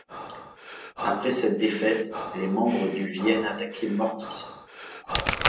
Après cette défaite, les membres du viennent attaquer Mortis.